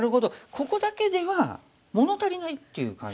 ここだけでは物足りないっていう感じ。